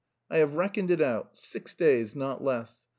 I have reckoned it out six days, not less.